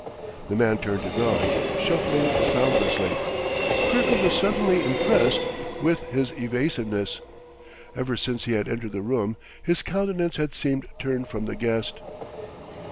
The man turned to go, shuffling soundlessly. Kirkwood was suddenly impressed with his evasiveness; ever since he had entered the room, his countenance had seemed turned from the guest.